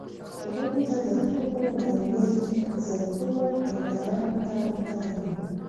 روم ته د هغو رالېږدول زرګونو کارګرانو ته اړتیا لرله.